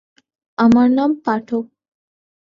আমার নাম পাঠক।